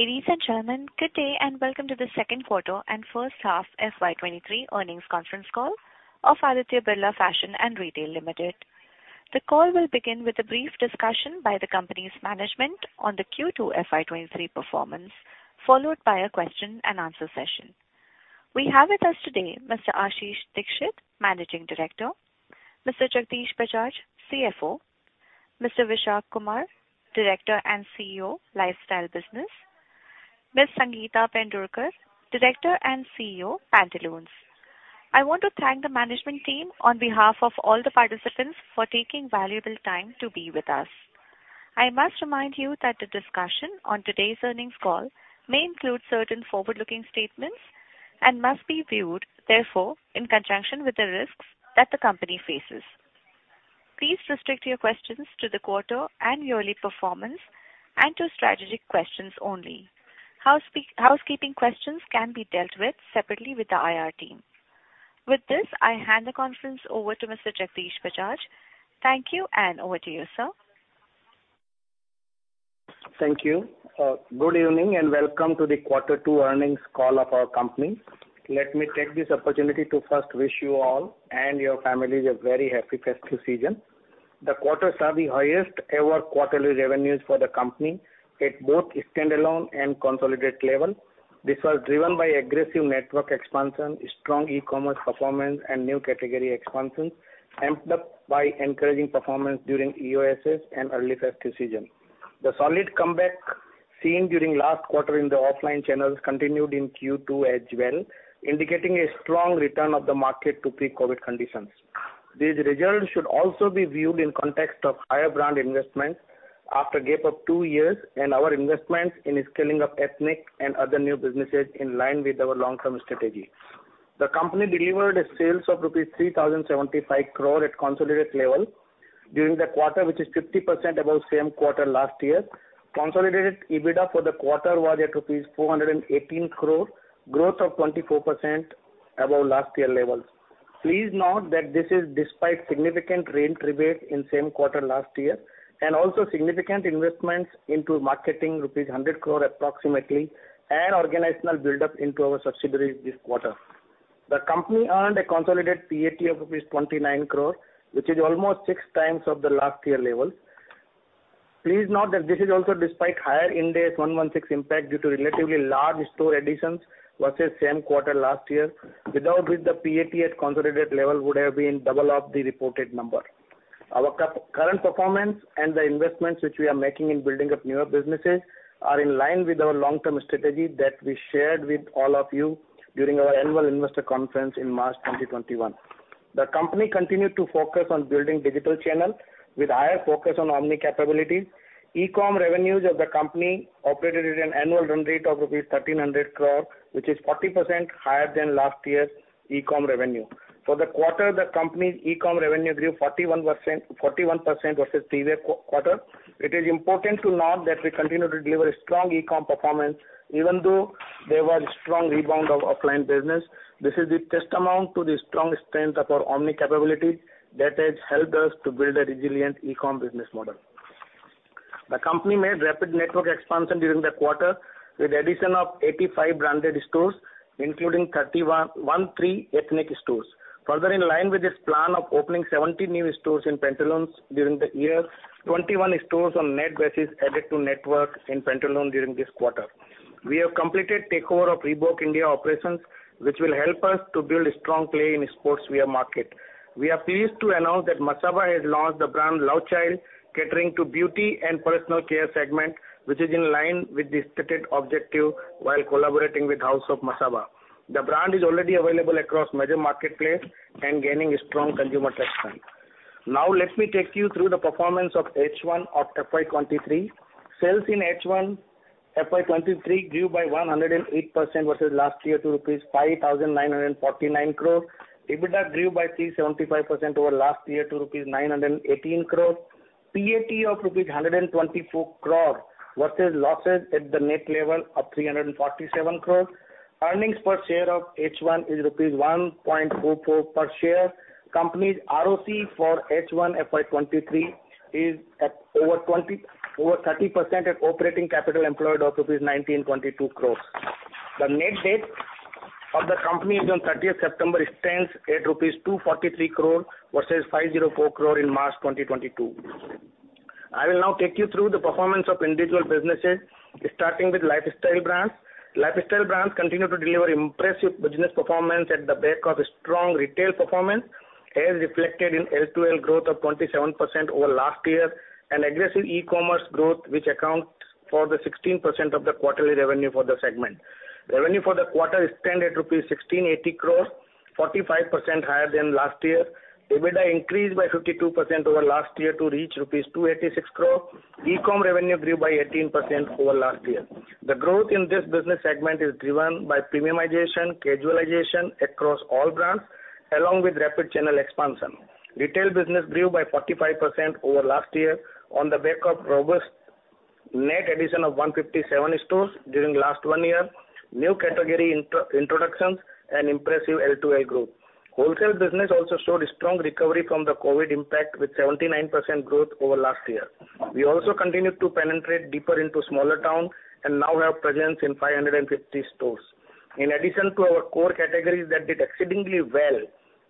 Ladies and gentlemen, good day and welcome to the second quarter and first half FY 2023 earnings conference call of Aditya Birla Fashion and Retail Limited. The call will begin with a brief discussion by the company's management on the Q2 FY 2023 performance, followed by a question-and-answer session. We have with us today Mr. Ashish Dikshit, Managing Director. Mr. Jagdish Bajaj, CFO. Mr. Vishak Kumar, Director and CEO, Lifestyle Business. Ms. Sangeeta Pendurkar, Director and CEO, Pantaloons. I want to thank the management team on behalf of all the participants for taking valuable time to be with us. I must remind you that the discussion on today's earnings call may include certain forward-looking statements and must be viewed, therefore, in conjunction with the risks that the company faces. Please restrict your questions to the quarter and yearly performance and to strategic questions only. Housekeeping questions can be dealt with separately with the IR team. With this, I hand the conference over to Mr. Jagdish Bajaj. Thank you, and over to you, sir. Thank you. Good evening, and welcome to the quarter two earnings call of our company. Let me take this opportunity to first wish you all and your families a very happy festive season. This quarter's revenues are the highest ever quarterly revenues for the company at both Standalone and Consolidated level. This was driven by aggressive network expansion, strong e-commerce performance, and new category expansion, amped up by encouraging performance during EOSS and early festive season. The solid comeback seen during last quarter in the offline channels continued in Q2 as well, indicating a strong return of the market to pre-COVID conditions. These results should also be viewed in context of higher brand investments after a gap of two years and our investments in scaling up Ethnic and other new businesses in line with our long-term strategy. The company delivered sales of rupees 3,075 crore at Consolidated level during the quarter, which is 50% above same quarter last year. Consolidated EBITDA for the quarter was at rupees 418 crore, growth of 24% above last year levels. Please note that this is despite significant rent rebate in same quarter last year, and also significant investments into marketing rupees 100 crore approximately and organizational build-up into our subsidiary this quarter. The company earned a Consolidated PAT of 29 crore, which is almost 6x of the last year levels. Please note that this is also despite higher Ind AS 116 impact due to relatively large store additions versus same quarter last year. Without which the PAT at Consolidated level would have been double of the reported number. Our current performance and the investments which we are making in building up newer businesses are in line with our long-term strategy that we shared with all of you during our annual investor conference in March 2021. The company continued to focus on building digital channel with higher focus on omni capabilities. E-com revenues of the company operated at an annual run rate of rupees 1,300 crore, which is 40% higher than last year's e-com revenue. For the quarter, the company's e-com revenue grew 41%, versus previous quarter. It is important to note that we continue to deliver a strong e-com performance even though there was strong rebound of offline business. This is the testament to the strength of our omni capability that has helped us to build a resilient e-com business model. The company made rapid network expansion during the quarter with addition of 85 branded stores, including 31, 13 Ethnic stores. Further in line with this plan of opening 70 new stores in Pantaloons during the year, 21 stores on net basis added to network in Pantaloons during this quarter. We have completed takeover of Reebok India operations, which will help us to build a strong play in sportswear market. We are pleased to announce that Masaba has launched the brand Lovechild, catering to beauty and personal care segment, which is in line with the stated objective while collaborating with House of Masaba. The brand is already available across major marketplace and gaining strong consumer touchpoint. Now let me take you through the performance of H1 of FY 2023. Sales in H1 FY 2023 grew by 108% versus last year to rupees 5,949 crore. EBITDA grew by 375% over last year to rupees 918 crore. PAT of rupees 124 crore versus losses at the net level of 347 crore. Earnings per share of H1 is rupees 1.44 per share. Company's ROC for H1 FY 2023 is at over 30% at operating capital employed of rupees 1,922 crores. The net debt of the company on September 30th stands at rupees 243 crore versus 504 crore in March 2022. I will now take you through the performance of individual businesses, starting with Lifestyle Brands. Lifestyle Brands continue to deliver impressive business performance at the back of a strong retail performance, as reflected in LTL growth of 27% over last year and aggressive e-commerce growth which accounts for the 16% o f the quarterly revenue for the segment. Revenue for the quarter stand at rupees 1,680 crore, 45% higher than last year. EBITDA increased by 52% over last year to reach rupees 286 crore. E-com revenue grew by 18% over last year. The growth in this business segment is driven by premiumization, casualization across all brands, along with rapid channel expansion. Retail business grew by 45% over last year on the back of robust net addition of 157 stores during last one year, new category introductions and impressive LTL growth. Wholesale business also showed a strong recovery from the COVID impact with 79% growth over last year. We also continued to penetrate deeper into smaller towns and now have presence in 550 stores. In addition to our core categories that did exceedingly well,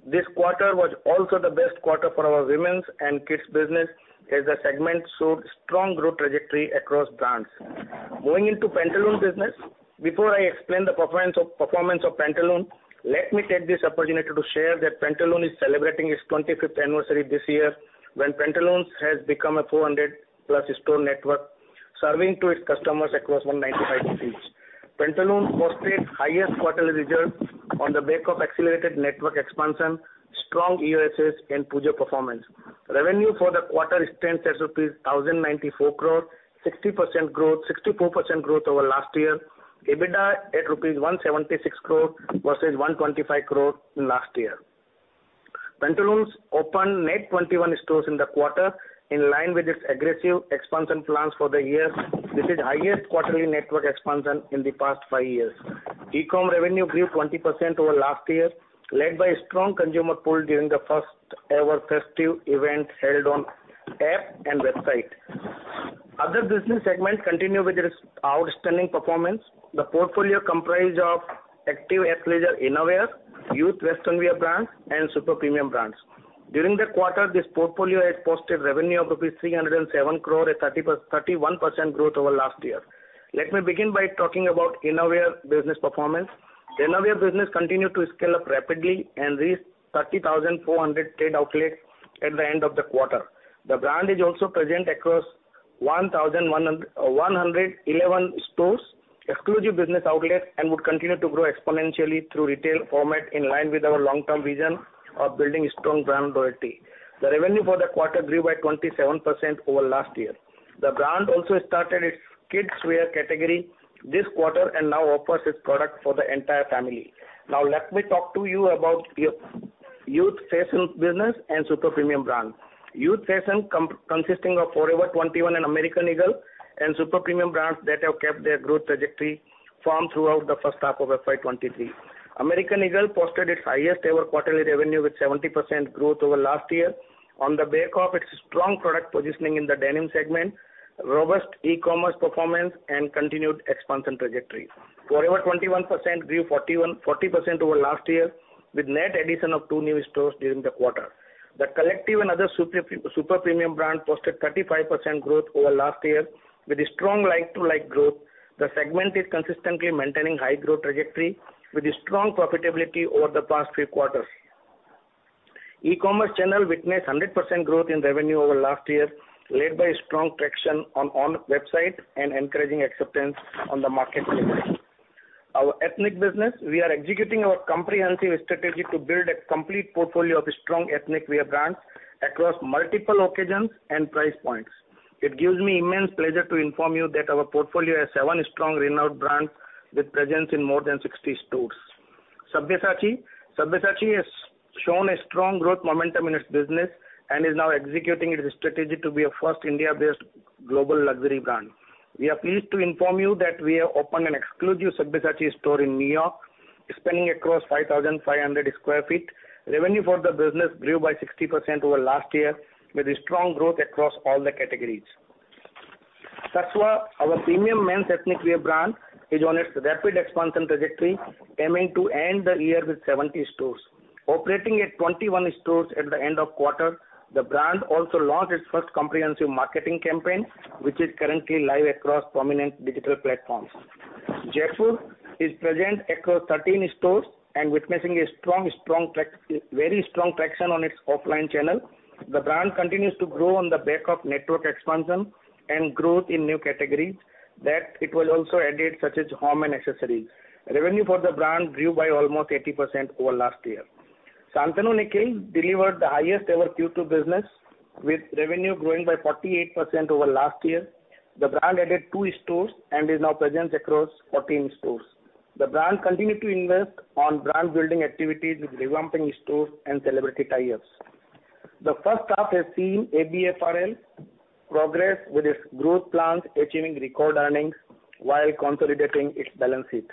this quarter was also the best quarter for our women's and kids business, as the segment showed strong growth trajectory across brands. Moving into Pantaloons business. Before I explain the performance of Pantaloons, let me take this opportunity to share that Pantaloons is celebrating its 25th anniversary this year, when Pantaloons has become a 400+ store network, serving to its customers across 195 cities. Pantaloons posted highest quarterly results on the back of accelerated network expansion, strong EOSS, and Pujo performance. Revenue for the quarter stands at rupees 1,094 crore, 64% growth over last year. EBITDA at rupees 176 crore versus 125 crore last year. Pantaloons opened net 21 stores in the quarter, in line with its aggressive expansion plans for the year. This is highest quarterly network expansion in the past five years. E-com revenue grew 20% over last year, led by strong consumer pull during the first ever festive event held on app and website. Other business segments continue with its outstanding performance. The portfolio comprised of Active Athleisure Innerwear, Youth Western Wear brands, and Super Premium brands. During the quarter, this portfolio had posted revenue of rupees 307 crore, a 31% growth over last year. Let me begin by talking about Innerwear business performance. Innerwear business continued to scale up rapidly and reached 30,400 trade outlets at the end of the quarter. The brand is also present across 1,111 stores, exclusive business outlets, and would continue to grow exponentially through retail format in line with our long-term vision of building strong brand loyalty. The revenue for the quarter grew by 27% over last year. The brand also started its kidswear category this quarter and now offers its product for the entire family. Now let me talk to you about Youth Fashion business and Super Premium brands. Youth Fashion consisting of Forever 21 and American Eagle and Super Premium brands that have kept their growth trajectory firm throughout the first half of FY 2023. American Eagle posted its highest ever quarterly revenue with 70% growth over last year on the back of its strong product positioning in the denim segment, robust e-commerce performance and continued expansion trajectory. Forever 21 grew 40% over last year with net addition of two new stores during the quarter. The Collective and other Super Premium brands posted 35% growth over last year with a strong like-for-like growth. The segment is consistently maintaining high growth trajectory with a strong profitability over the past three quarters. E-commerce channel witnessed 100% growth in revenue over last year, led by strong traction on own website and encouraging acceptance on the market. Our Ethnic business, we are executing our comprehensive strategy to build a complete portfolio of strong Ethnic Wear brands across multiple occasions and price points. It gives me immense pleasure to inform you that our portfolio has 7 strong renowned brands with presence in more than 60 stores. Sabyasachi. Sabyasachi has shown a strong growth momentum in its business and is now executing its strategy to be a first India based global luxury brand. We are pleased to inform you that we have opened an exclusive Sabyasachi store in New York, spanning across 5,500 sq ft. Revenue for the business grew by 60% over last year with a strong growth across all the categories. Tasva, our premium men's Ethnic Wear brand, is on its rapid expansion trajectory, aiming to end the year with 70 stores. Operating at 21 stores at the end of quarter, the brand also launched its first comprehensive marketing campaign, which is currently live across prominent digital platforms. Jaypore is present across 13 stores and witnessing very strong traction on its offline channel. The brand continues to grow on the back of network expansion and growth in new categories that it has also added such as home and accessories. Revenue for the brand grew by almost 80% over last year. Shantanu & Nikhil delivered the highest ever Q2 business, with revenue growing by 48% over last year. The brand added two stores and is now present across 14 stores. The brand continued to invest in brand building activities with revamping stores and celebrity tie-ups. The first half has seen ABFRL progress with its growth plans, achieving record earnings while consolidating its balance sheet.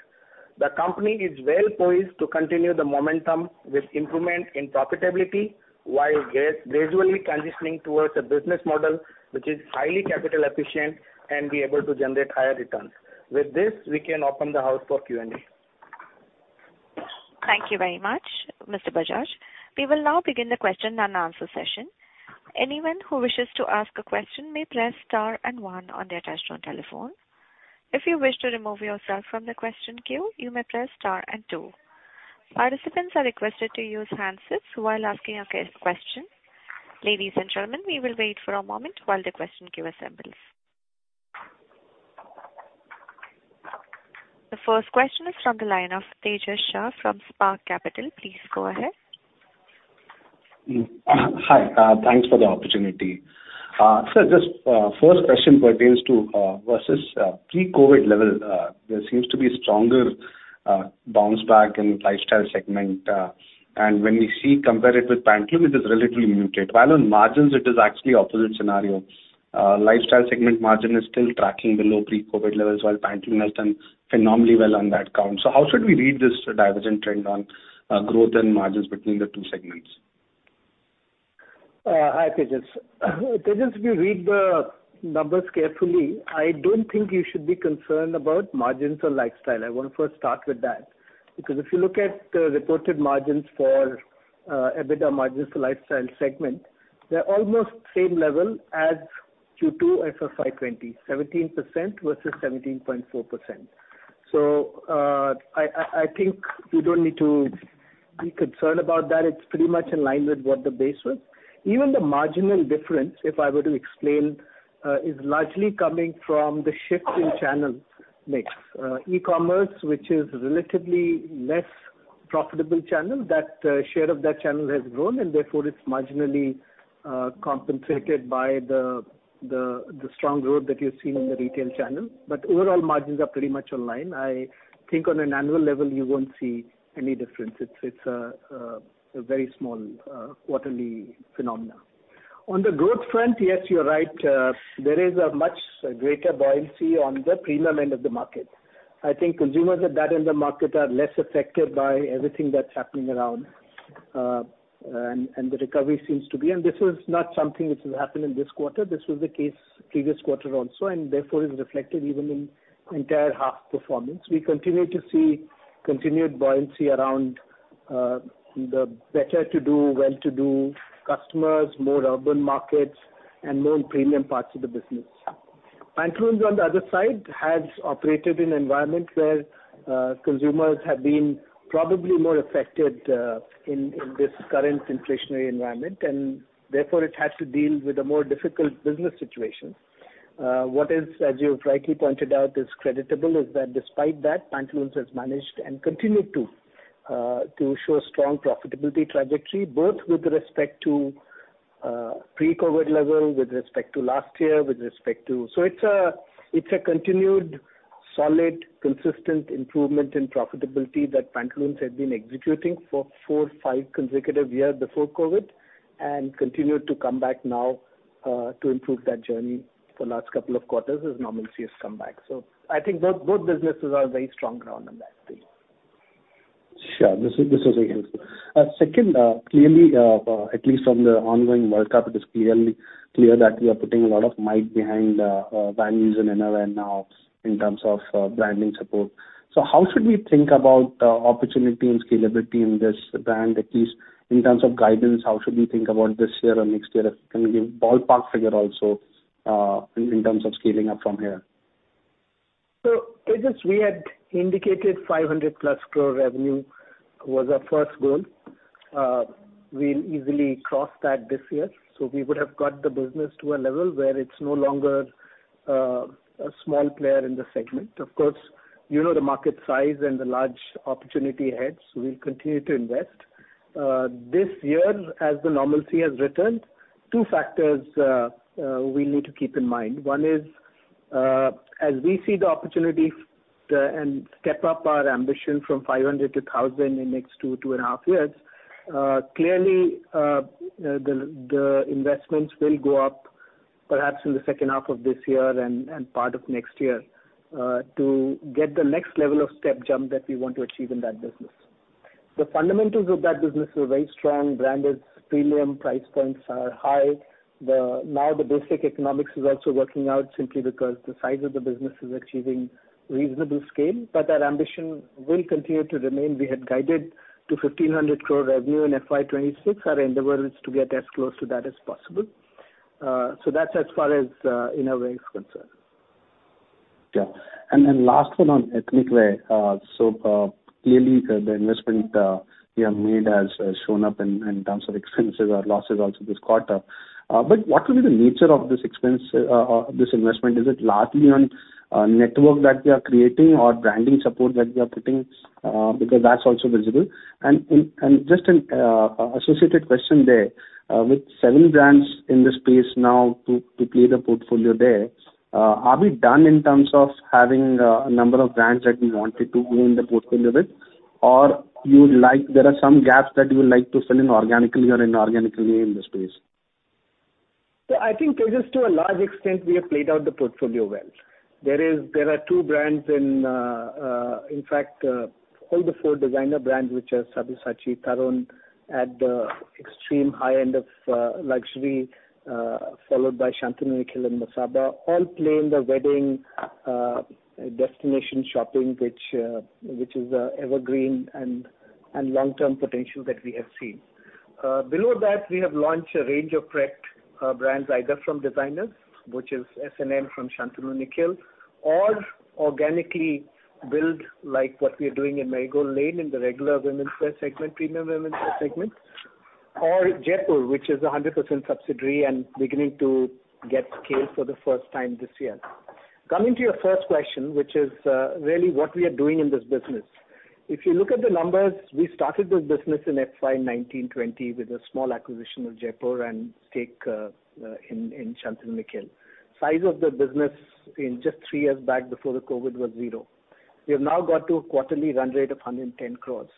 The company is well poised to continue the momentum with improvement in profitability, while gradually transitioning towards a business model which is highly capital efficient and be able to generate higher returns. With this, we can open the floor for Q&A. Thank you very much, Mr. Bajaj. We will now begin the question-and-answer session. Anyone who wishes to ask a question may press star and one on their touchtone telephone. If you wish to remove yourself from the question queue, you may press star and two. Participants are requested to use handsets while asking a question. Ladies and gentlemen, we will wait for a moment while the question queue assembles. The first question is from the line of Tejas Shah from Spark Capital. Please go ahead. Hi, thanks for the opportunity. Sir, just first question pertains to versus pre-COVID level, there seems to be a stronger bounce back in Lifestyle segment. When we compare it with Pantaloons, it is relatively muted. While on margins it is actually opposite scenario. Lifestyle segment margin is still tracking below pre-COVID levels while Pantaloons has done phenomenally well on that count. How should we read this divergent trend on growth and margins between the two segments? Hi, Tejas. Tejas, if you read the numbers carefully, I don't think you should be concerned about margins or Lifestyle. I wanna first start with that. Because if you look at the reported margins for EBITDA margins for Lifestyle segment, they're almost same level as Q2 FY 2020. 17% versus 17.4%. I think you don't need to be concerned about that. It's pretty much in line with what the base was. Even the marginal difference, if I were to explain, is largely coming from the shift in channel mix. E-commerce, which is relatively less profitable channel, share of that channel has grown and therefore it's marginally compensated by the strong growth that you're seeing in the retail channel. But overall margins are pretty much in line. I think on an annual level, you won't see any difference. It's a very small quarterly phenomenon. On the growth front, yes, you're right. There is a much greater buoyancy on the premium end of the market. I think consumers at that end of the market are less affected by everything that's happening around, and the recovery seems to be. This is not something which has happened in this quarter. This was the case previous quarter also, and therefore is reflected even in entire half performance. We continue to see continued buoyancy around the better-to-do, well-to-do customers, more urban markets and more premium parts of the business. Pantaloons on the other side has operated in environment where consumers have been probably more affected in this current inflationary environment, and therefore it has to deal with a more difficult business situation. As you've rightly pointed out, what is creditable is that despite that, Pantaloons has managed and continued to show strong profitability trajectory both with respect to pre-COVID level, with respect to last year. It's a continued solid, consistent improvement in profitability that Pantaloons had been executing for four, five consecutive years before COVID, and continued to come back now to improve that journey for last couple of quarters as normalcy has come back. I think both businesses are on very strong ground on that piece. Sure. This is again. Second, clearly, at least from the ongoing World Cup, it is clear that we are putting a lot of might behind Van Heusen and Innerwear now in terms of branding support. How should we think about opportunity and scalability in this brand, at least in terms of guidance, how should we think about this year or next year? Can you give ballpark figure also, in terms of scaling up from here? Tejas, we had indicated 500+ crore revenue was our first goal. We'll easily cross that this year, so we would have got the business to a level where it's no longer a small player in the segment. Of course, you know the market size and the large opportunity ahead, so we'll continue to invest. This year, as the normalcy has returned, two factors we need to keep in mind. One is, as we see the opportunity and step up our ambition from 500 crore 1,000 crore in next two and a half years, clearly the investments will go up perhaps in the second half of this year and part of next year to get the next level of step jump that we want to achieve in that business. The fundamentals of that business are very strong. Brand is premium, price points are high. Now the basic economics is also working out simply because the size of the business is achieving reasonable scale. Our ambition will continue to remain. We had guided to 1,500 crore revenue in FY 2026. Our endeavor is to get as close to that as possible. That's as far as Innerwear is concerned. Yeah. Last one on Ethnic Wear. Clearly the investment you have made has shown up in terms of expenses or losses also this quarter. What will be the nature of this investment? Is it largely on network that we are creating or branding support that we are putting? Because that's also visible. Just an associated question there, with seven brands in this space now to play the portfolio there, are we done in terms of having a number of brands that we wanted to own the portfolio with? Or there are some gaps that you would like to fill in organically or inorganically in this space? I think, Tejas, to a large extent, we have played out the portfolio well. There are two brands in fact all four designer brands, which are Sabyasachi, Tarun Tahiliani at the extreme high end of luxury, followed by Shantanu & Nikhil and Masaba, all play in the wedding destination shopping, which is evergreen and long-term potential that we have seen. Below that, we have launched a range of core brands, either from designers, which is S&N from Shantanu & Nikhil, or organically built like what we are doing in Marigold Lane in the regular women's wear segment, premium women's wear segment, or Jaypore, which is a 100% subsidiary and beginning to get scale for the first time this year. Coming to your first question, which is really what we are doing in this business. If you look at the numbers, we started this business in FY 2019-2020 with a small acquisition of Jaypore and stake in Shantanu & Nikhil. Size of the business in just three years back before the COVID was zero. We have now got to a quarterly run rate of 110 crores.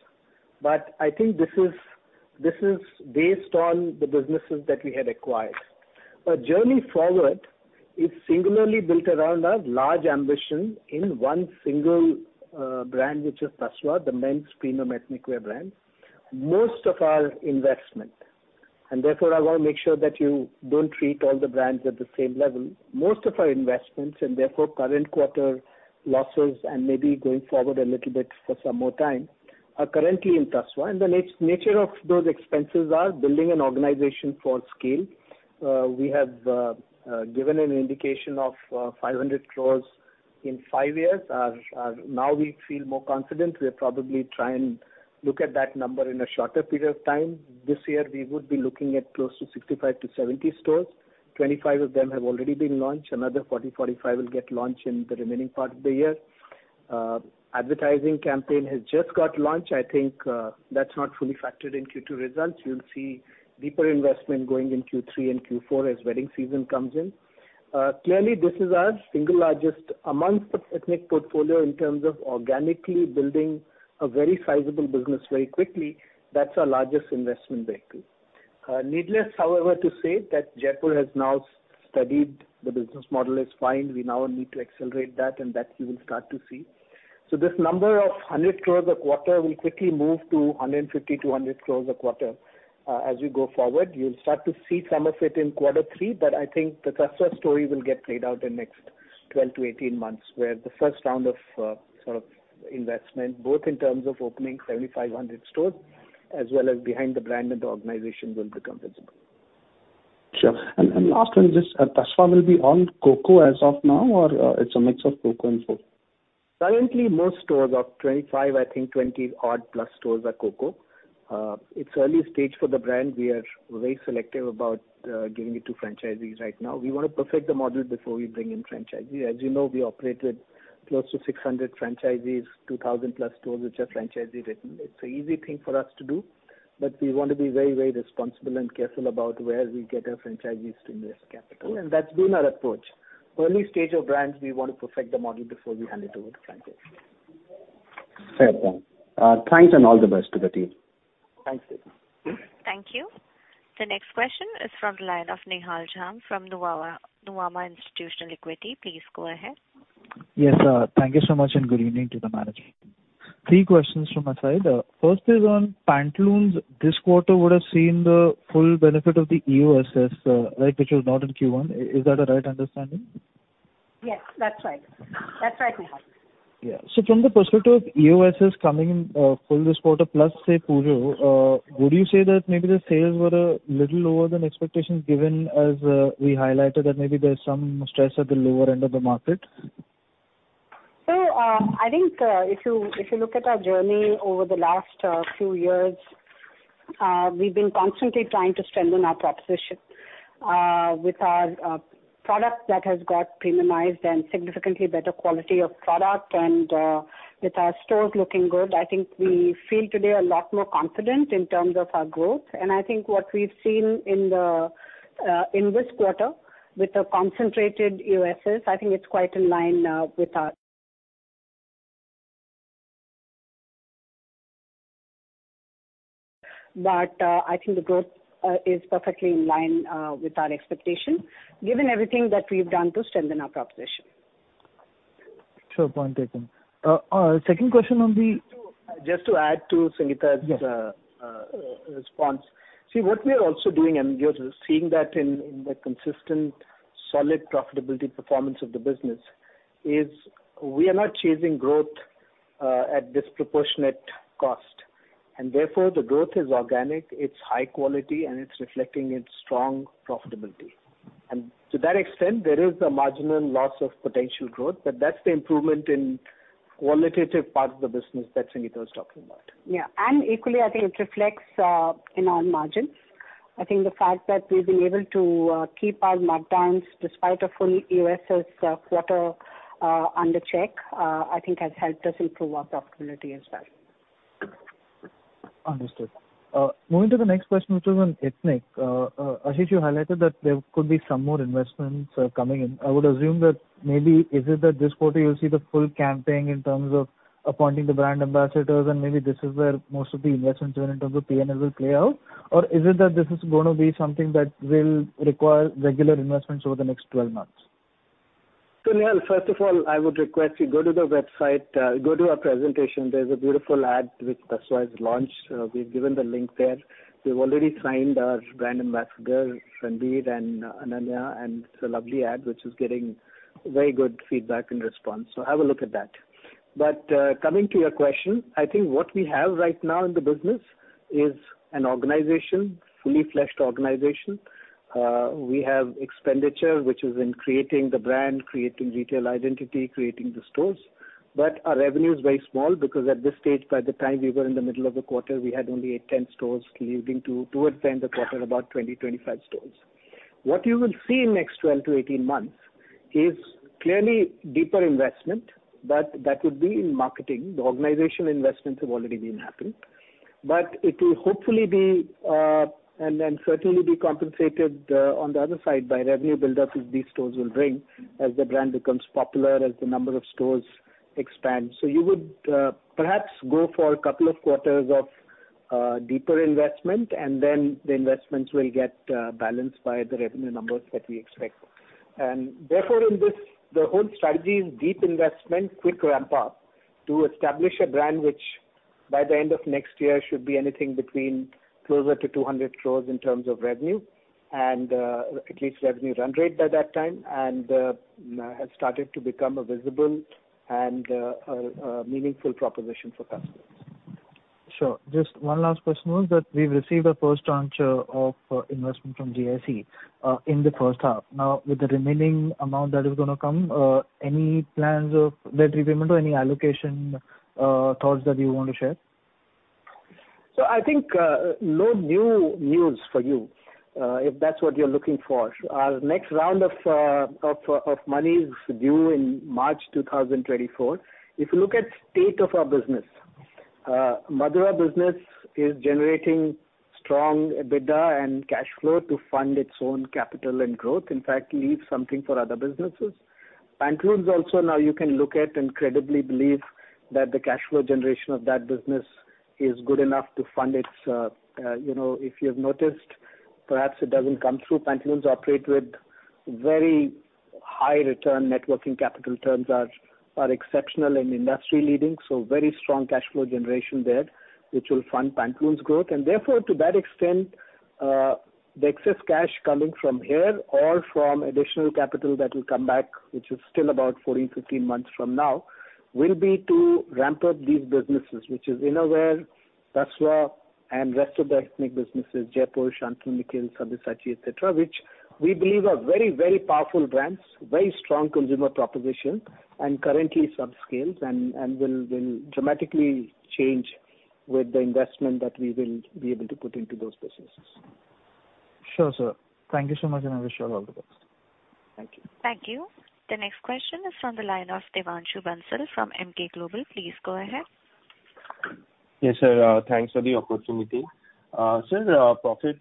I think this is based on the businesses that we had acquired. Our journey forward is singularly built around our large ambition in one single brand, which is Tasva, the men's premium Ethnic Wear brand. Most of our investment, and therefore I wanna make sure that you don't treat all the brands at the same level. Most of our investments, and therefore current quarter losses and maybe going forward a little bit for some more time, are currently in Tasva. The nature of those expenses are building an organization for scale. We have given an indication of 500 crore in five years. Now we feel more confident. We'll probably try and look at that number in a shorter period of time. This year, we would be looking at close to 65-70 stores. 25 of them have already been launched. Another 40-45 will get launched in the remaining part of the year. Advertising campaign has just got launched. I think, that's not fully factored in Q2 results. You'll see deeper investment going in Q3 and Q4 as wedding season comes in. Clearly this is our single largest among the Ethnic portfolio in terms of organically building a very sizable business very quickly. That's our largest investment vehicle. Needless, however, to say that Jaypore has now studied the business model is fine. We now need to accelerate that, and that you will start to see. This number of 100 crore a quarter will quickly move to 150 crore-200 crore a quarter, as we go forward. You'll start to see some of it in quarter three, but I think the Tasva story will get played out in next 12-18 months, where the first round of sort of investment, both in terms of opening 75-100 stores, as well as behind the brand and the organization will become visible. Sure. Last one, just, Tasva will be on COCO as of now or it's a mix of COCO and full? Currently, most stores, about 25, I think 20-odd plus stores are COCO. It's early stage for the brand. We are very selective about giving it to franchisees right now. We wanna perfect the model before we bring in franchisee. As you know, we operate with close to 600 franchisees, 2,000 plus stores which are franchisee-driven. It's a easy thing for us to do, but we want to be very, very responsible and careful about where we get our franchisees to invest capital, and that's been our approach. Early stage of brands, we want to perfect the model before we hand it over to franchisees. Fair point. Thanks and all the best to the team. Thanks, Deep. Thank you. The next question is from the line of Nihal Jham from Nuvama Institutional Equities. Please go ahead. Yes, thank you so much and good evening to the management. Three questions from my side. First is on Pantaloons. This quarter would have seen the full benefit of the EOSS, right, which was not in Q1. Is that a right understanding? Yes, that's right. That's right, Nihal. From the perspective of EOSS coming in full this quarter, plus Pujo, would you say that maybe the sales were a little lower than expectations given as we highlighted that maybe there's some stress at the lower end of the market? I think if you look at our journey over the last few years, we've been constantly trying to strengthen our proposition with our product that has got premiumized and significantly better quality of product and with our stores looking good. I think we feel today a lot more confident in terms of our growth. I think what we've seen in this quarter with the concentrated EOSS, I think it's quite in line. I think the growth is perfectly in line with our expectation, given everything that we've done to strengthen our proposition. Sure. Point taken. Second question on the- Just to add to Sangeeta's response. Yes. See, what we are also doing, and you're seeing that in the consistent, solid profitability performance of the business, is we are not chasing growth at disproportionate cost. Therefore, the growth is organic, it's high quality, and it's reflecting in strong profitability. To that extent, there is a marginal loss of potential growth, but that's the improvement in qualitative part of the business that Sangeeta was talking about. Yeah. Equally, I think it reflects in our margins. I think the fact that we've been able to keep our markdowns despite a full EOSS quarter under check, I think has helped us improve our profitability as well. Understood. Moving to the next question, which is on Ethnic. Ashish, you highlighted that there could be some more investments coming in. I would assume that maybe is it that this quarter you'll see the full campaign in terms of appointing the brand ambassadors, and maybe this is where most of the investments in terms of P&L will play out? Or is it that this is gonna be something that will require regular investments over the next 12 months? Nihal, first of all, I would request you go to the website, go to our presentation. There's a beautiful ad which Tasva has launched. We've given the link there. We've already signed our brand ambassador, Ranbir and Ananya, and it's a lovely ad which is getting very good feedback and response. Have a look at that. Coming to your question, I think what we have right now in the business is an organization, fully fleshed organization. We have expenditure, which is in creating the brand, creating retail identity, creating the stores. Our revenue is very small because at this stage, by the time we were in the middle of the quarter, we had only eight to 10 stores leading towards the end of the quarter, about 20-25 stores. What you will see in next 12-18 months is clearly deeper investment, but that would be in marketing. The organizational investments have already been happening. It will hopefully be and then certainly be compensated on the other side by revenue buildup which these stores will bring as the brand becomes popular, as the number of stores expand. You would perhaps go for a couple of quarters of deeper investment, and then the investments will get balanced by the revenue numbers that we expect. Therefore, in this, the whole strategy is deep investment, quick ramp up to establish a brand which by the end of next year should be anything between closer to 200 crore in terms of revenue and at least revenue run rate by that time, and has started to become a visible and a meaningful proposition for customers. Sure. Just one last question was that we've received a first tranche of investment from GIC in the first half. Now, with the remaining amount that is gonna come, any plans of debt repayment or any allocation, thoughts that you want to share? I think no new news for you if that's what you're looking for. Our next round of money is due in March 2024. If you look at state of our business, Madura business is generating strong EBITDA and cash flow to fund its own capital and growth, in fact, leaves something for other businesses. Pantaloons also now you can look at and credibly believe that the cash flow generation of that business is good enough to fund its, you know, if you've noticed, perhaps it doesn't come through. Pantaloons operate with very high return. Net working capital terms are exceptional and industry leading, so very strong cash flow generation there, which will fund Pantaloons growth. Therefore, to that extent, the excess cash coming from here or from additional capital that will come back, which is still about 14, 15 months from now, will be to ramp up these businesses, which is Innerwear, Tasva and rest of the Ethnic businesses, Jaypore, Shantanu & Nikhil, Sabyasachi, et cetera, which we believe are very, very powerful brands, very strong consumer proposition and currently sub-scaled and will dramatically change with the investment that we will be able to put into those businesses. Sure, sir. Thank you so much, and I wish you all the best. Thank you. Thank you. The next question is from the line of Devanshu Bansal from Emkay Global. Please go ahead. Yes, sir. Thanks for the opportunity. Sir, or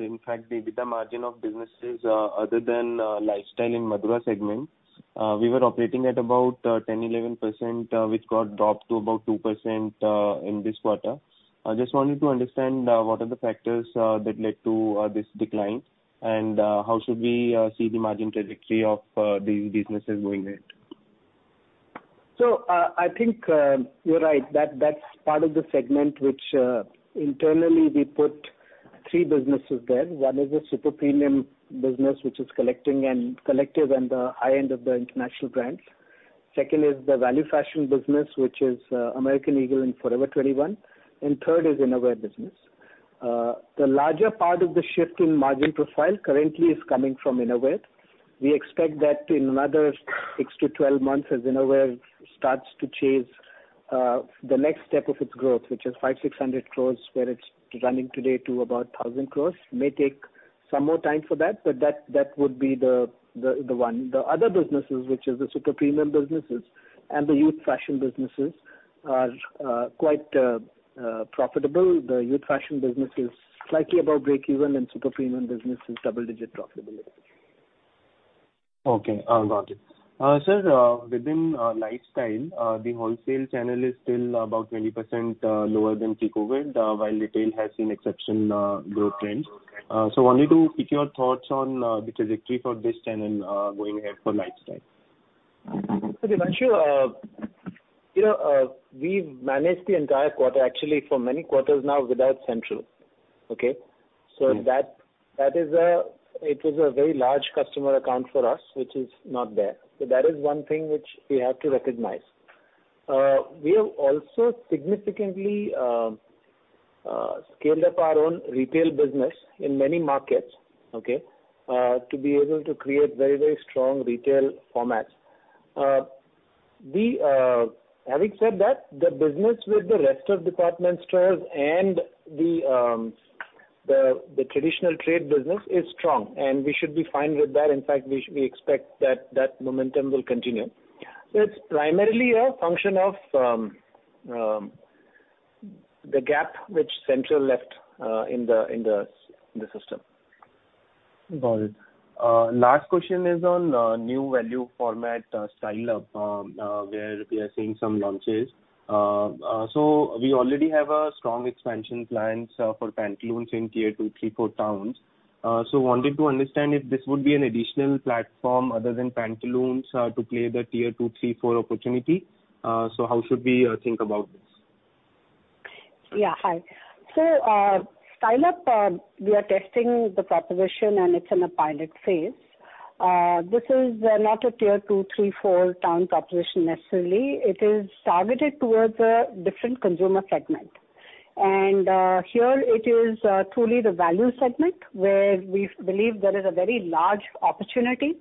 in fact the EBITDA margin of businesses other than Lifestyle and Madura segment, we were operating at about 10%-11%, which got dropped to about 2% in this quarter. I just wanted to understand what are the factors that led to this decline, and how should we see the margin trajectory of these businesses going ahead? I think you're right. That's part of the segment which internally we put three businesses there. One is the Super Premium business, which is The Collective and the high end of the international brands. Second is the value fashion business, which is American Eagle and Forever 21. And third is Innerwear business. The larger part of the shift in margin profile currently is coming from Innerwear. We expect that in another six to 12 months, as Innerwear starts to chase the next step of its growth, which is 500-600 crores, where it's running today to about 1,000 crores, may take some more time for that, but that would be the one. The other businesses, which is the Super Premium businesses and the Youth Fashion businesses, are quite profitable. The Youth Fashion business is slightly above break even, and Super Premium business is double-digit profitability. Okay, I got it. Sir, within Lifestyle, the wholesale channel is still about 20% lower than pre-COVID, while retail has seen exceptional growth trends. Wanted to pick your thoughts on the trajectory for this channel going ahead for Lifestyle. Devanshu, you know, we've managed the entire quarter actually for many quarters now without Central. Okay? Mm-hmm. That is, it was a very large customer account for us, which is not there. That is one thing which we have to recognize. We have also significantly scaled up our own retail business in many markets to be able to create very strong retail formats. Having said that, the business with the rest of department stores and the traditional trade business is strong, and we should be fine with that. In fact, we expect that that momentum will continue. It's primarily a function of the gap which Central left in the system. Got it. Last question is on new value format, Style Up, where we are seeing some launches. We already have strong expansion plans for Pantaloons in tier two, three, four towns. Wanted to understand if this would be an additional platform other than Pantaloons to play the tier two, three, four opportunity. How should we think about this? Yeah. Hi. Style Up, we are testing the proposition and it's in a pilot phase. This is not a tier two, three, four town proposition necessarily. It is targeted towards a different consumer segment. Here it is truly the value segment, where we believe there is a very large opportunity.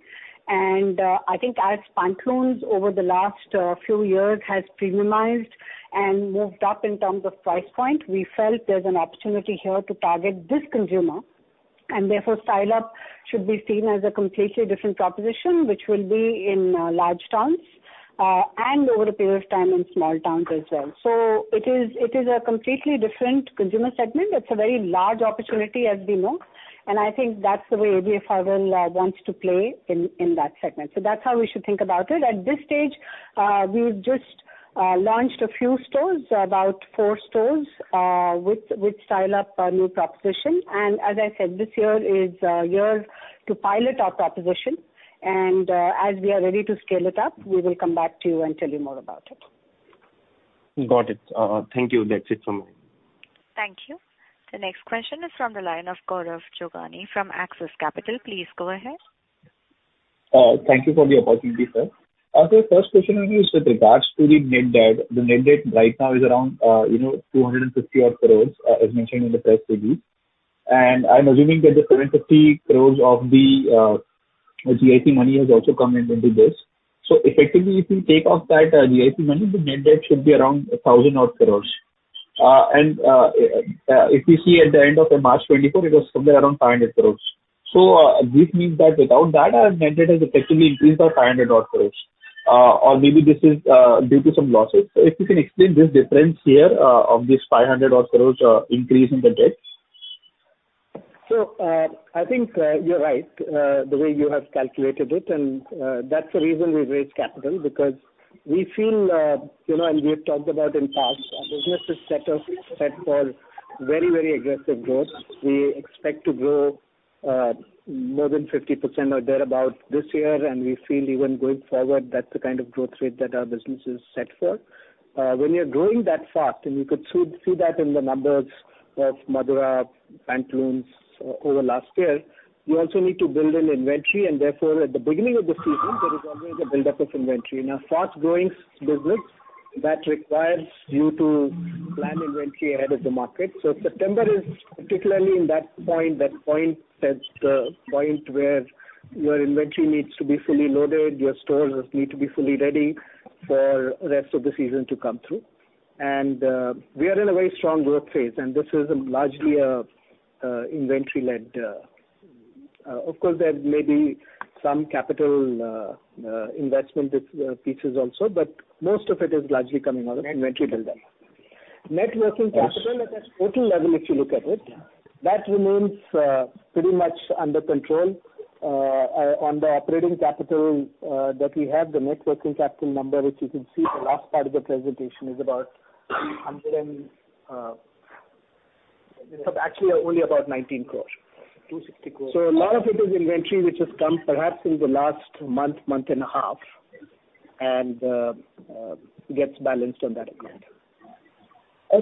I think as Pantaloons over the last few years has premiumized and moved up in terms of price point, we felt there's an opportunity here to target this consumer. Therefore, Style Up should be seen as a completely different proposition, which will be in large towns and over a period of time in small towns as well. It is a completely different consumer segment. It's a very large opportunity, as we know, and I think that's the way ABFRL wants to play in that segment. That's how we should think about it. At this stage, we've just Launched a few stores, about four stores, with Style Up, our new proposition. As I said, this year is a year to pilot our proposition, and as we are ready to scale it up, we will come back to you and tell you more about it. Got it. Thank you. That's it from me. Thank you. The next question is from the line of Gaurav Jogani from Axis Capital. Please go ahead. Thank you for the opportunity, sir. First question on this is with regards to the net debt. The net debt right now is around, you know, 250 odd crores, as mentioned in the press release. I'm assuming that the current 50 crores of the GIC money has also come into this. Effectively, if you take off that GIC money, the net debt should be around 1,000 odd crores. If you see at the end of March 2024, it was somewhere around 500 crores. This means that without that our net debt has effectively increased by 500 odd crores, or maybe this is due to some losses. If you can explain this difference here of this 500 odd crores increase in the debt. I think you're right, the way you have calculated it, and that's the reason we raised capital because we feel, you know, and we have talked about in the past, our business is set up for very, very aggressive growth. We expect to grow more than 50% or thereabout this year. We feel even going forward, that's the kind of growth rate that our business is set for. When you're growing that fast, and you could see that in the numbers of Madura, Pantaloons over last year, you also need to build an inventory and therefore at the beginning of the season there is always a build-up of inventory. In a fast-growing business that requires you to plan inventory ahead of the market. September is particularly that point where your inventory needs to be fully loaded, your stores need to be fully ready for rest of the season to come through. We are in a very strong growth phase, and this is largely inventory-led. Of course, there may be some capital investment pieces also, but most of it is largely coming out of inventory build-up. Net working capital at a total level if you look at it, that remains pretty much under control. On the operating capital that we have, the net working capital number, which you can see the last part of the presentation, is about 100, actually only about 19 crore. INR 260 crore. A lot of it is inventory, which has come perhaps in the last month and a half, and gets balanced on that account.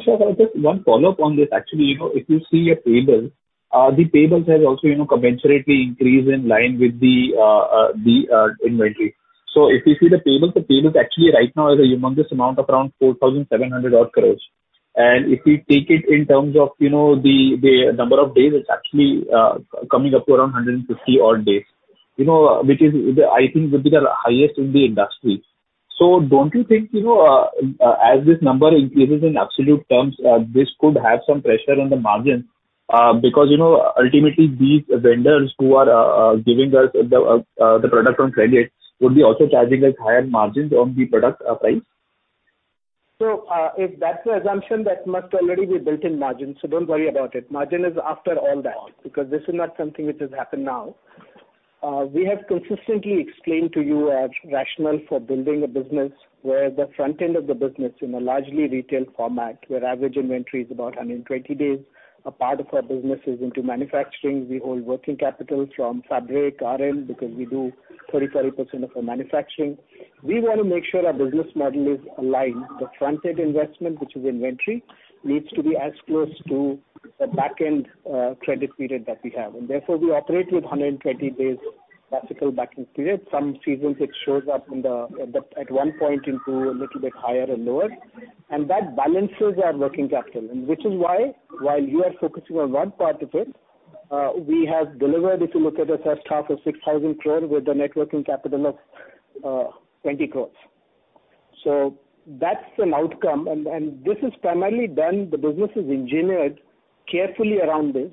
Shiv, just one follow-up on this. Actually, you know, if you see a payable, the payables has also, you know, commensurately increased in line with the inventory. If you see the payables, the payables actually right now is a humongous amount around 4,700 crore. If we take it in terms of, you know, the number of days, it's actually coming up to around 150 days. You know, which I think would be the highest in the industry. Don't you think, you know, as this number increases in absolute terms, this could have some pressure on the margin, because, you know, ultimately these vendors who are giving us the product on credit would be also charging us higher margins on the product price. If that's the assumption, that must already be built in margin, so don't worry about it. Margin is after all that, because this is not something which has happened now. We have consistently explained to you our rationale for building a business where the front end of the business in a largely retail format where average inventory is about 120 days, a part of our business is into manufacturing. We hold working capital from fabric level because we do 30%-40% of our manufacturing. We wanna make sure our business model is aligned. The front end investment, which is inventory, needs to be as close to the back end, credit period that we have. Therefore, we operate with 120 days classical backing period. Some seasons it shows up at one point a little bit higher or lower, and that balances our working capital. Which is why, while you are focusing on one part of it, we have delivered. If you look at the first half of 6,000 crore with a net working capital of 20 crore. That's an outcome, and this is primarily done. The business is engineered carefully around this